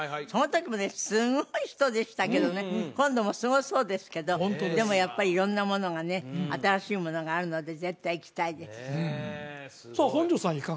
そのときもねすごい人でしたけどね今度もすごそうですけどでもやっぱり色んなものがね新しいものがあるので絶対行きたいですさあ本上さん